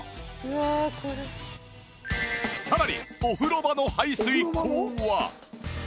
さらにお風呂場の排水口は